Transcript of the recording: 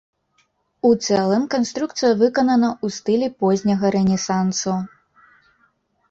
У цэлым канструкцыя выканана ў стылі позняга рэнесансу.